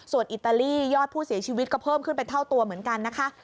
ส่วนอิตาลียอดผู้เสียชีวิตก็เพิ่มขึ้นเป็นเท่าตัวเหมือนกันนะคะ